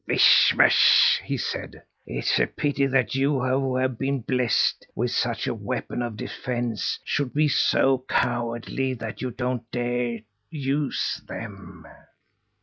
Vish vash!" he said. "It's a pity that you, who have been blessed with such weapons of defence, should be so cowardly that you don't dare use them!"